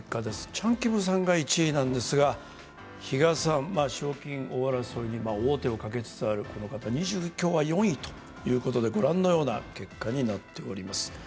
チャン・キムさんが１位ですが比嘉さん、賞金争いに王手をかけつつあるこの方、今日は２４位ということで、ご覧のような結果になっております。